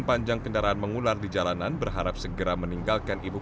kota kota yang menembus perjalanan menjelaskan ke kota